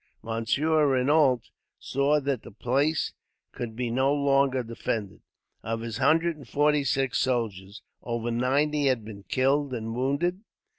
Monsieur Renault saw that the place could be no longer defended. Of his hundred and forty six soldiers, over ninety had been killed and wounded.